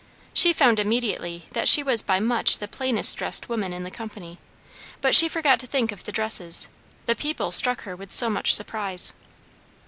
She found immediately that she was by much the plainest dressed woman in the company; but she forgot to think of the dresses, the people struck her with so much surprise.